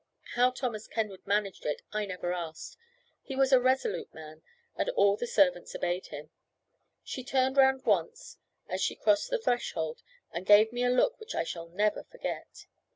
How Thomas Kenwood managed it, I never asked. He was a resolute man, and all the servants obeyed him. She turned round once, as she crossed the threshold, and gave me a look which I shall never forget.